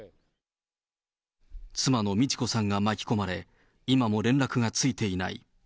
妻の路子さんが巻き込まれ、今も連絡がついていない。